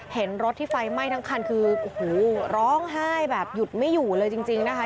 เห็นรถที่ไฟไหม้ทั้งคันคือโอ้โหร้องไห้แบบหยุดไม่อยู่เลยจริงนะคะ